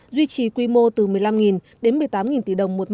duy trì quy mô từ một mươi năm đến một mươi tám tỷ đồng một năm